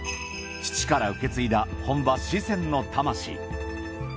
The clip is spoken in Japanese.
父から受け継いだ本場四川の魂。